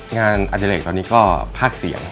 งานอาจารย์เล็กตอนนี้ก็ภาคเสียง